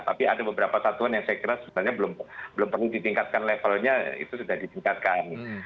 tapi ada beberapa satuan yang saya kira sebenarnya belum perlu ditingkatkan levelnya itu sudah ditingkatkan